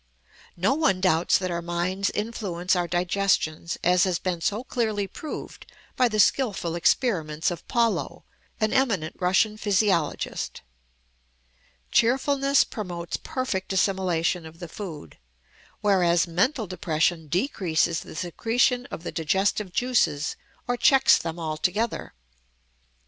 No one doubts that our minds influence our digestions as has been so clearly proved by the skillful experiments of Pawlow, an eminent Russian physiologist. Cheerfulness promotes perfect assimilation of the food, whereas mental depression decreases the secretion of the digestive juices or checks them altogether.